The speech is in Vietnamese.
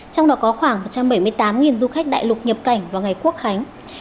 trong đó có khoảng một trăm bảy mươi tám du khách đại lục nhập cảnh vào ngày quốc khánh